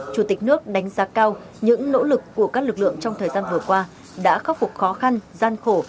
chủ tịch nước đánh giá cao những nỗ lực của các lực lượng trong thời gian vừa qua đã khắc phục khó khăn gian khổ